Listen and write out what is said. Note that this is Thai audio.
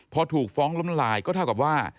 พอถูกฟ้องล้มลายก็เท่ากับว่า